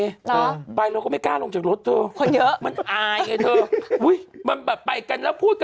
ละไปเราก็ไม่กล้าลงจากรถเถอะเหมือนอายไงเถอะมันแบบไปกันแล้วพูดกัน